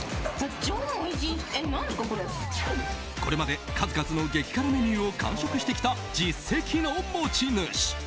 これまで数々の激辛メニューを完食してきた実績の持ち主。